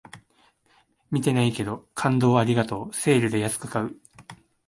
見てないけど、感動をありがとうセールで安く買う